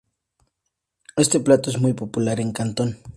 Este plato es muy popular en Cantón.